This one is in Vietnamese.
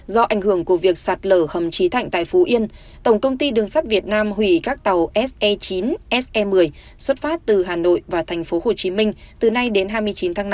do ảnh hưởng của việc sạt lở hầm trí thạnh tại phú yên tổng công ty đường sắt việt nam hủy các tàu se chín se một mươi xuất phát từ hà nội và tp hcm từ nay đến hai mươi chín tháng năm